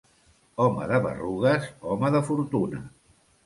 Home de berrugues, home de fortuna.